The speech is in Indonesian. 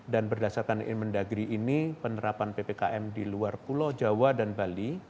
dan berdasarkan inmen dagri ini penerapan ppkm di luar pulau jawa dan bali